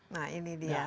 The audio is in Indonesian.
nah ini dia